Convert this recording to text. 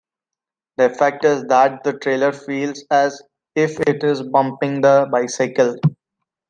The effect is that the trailer feels as if it is 'bumping' the bicycle.